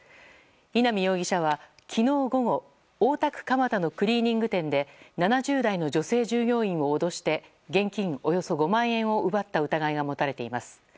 稲見容疑者は昨日午後大田区蒲田のクリーニング店で７０代の女性従業員を脅して現金およそ５万円を奪った疑いが持たれています。